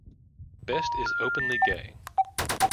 Best is openly gay.